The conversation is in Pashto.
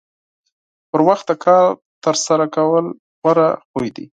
پر وخت د کار ترسره کول غوره عادت دی.